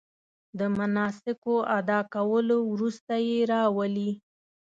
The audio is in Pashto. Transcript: د مناسکو ادا کولو وروسته یې راولي.